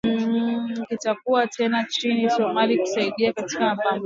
Kitakuwa tena nchini Somalia kusaidia katika mapambano dhidi ya kundi la kigaidi